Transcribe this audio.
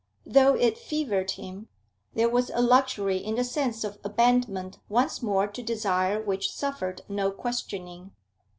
Though it fevered him, there was a luxury in the sense of abandonment once more to desire which suffered no questioning.